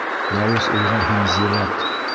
Яуыз уйға һин зирәк.